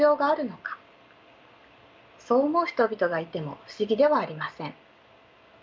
そう思う人々がいても不思議ではありません。